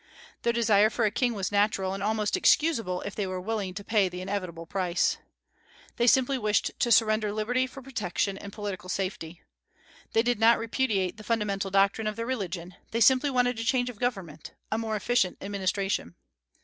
Their desire for a king was natural, and almost excusable if they were willing to pay the inevitable price. They simply wished to surrender liberty for protection and political safety. They did not repudiate the fundamental doctrine of their religion; they simply wanted a change of government, a more efficient administration.